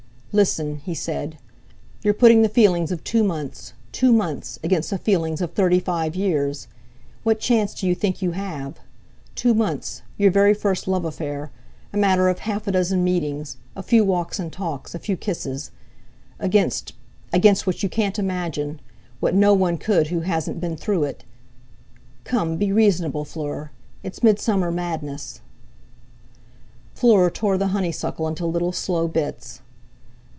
"Listen!" he said. "You're putting the feelings of two months—two months—against the feelings of thirty five years! What chance do you think you have? Two months—your very first love affair, a matter of half a dozen meetings, a few walks and talks, a few kisses—against, against what you can't imagine, what no one could who hasn't been through it. Come, be reasonable, Fleur! It's midsummer madness!" Fleur tore the honeysuckle into little, slow bits.